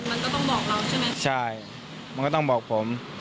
มันก็ต้องบอกเราใช่ไหมใช่มันก็ต้องบอกผม